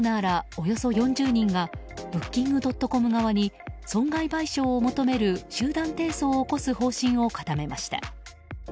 およそ４０人がブッキングドットコム側に損害賠償を求める集団提訴を起こす方針を固めました。